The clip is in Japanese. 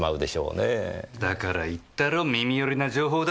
だから言ったろ耳寄りな情報だって。